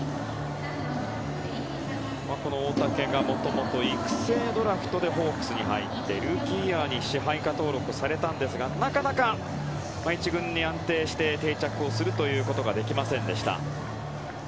大竹がもともと育成ドラフトでホークスに入ってルーキーイヤーに支配下登録されたんですがなかなか１軍に安定して定着できませんでした。